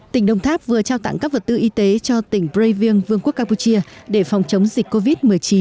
tỉnh đồng tháp vừa trao tặng các vật tư y tế cho tỉnh brevieng vương quốc campuchia để phòng chống dịch covid một mươi chín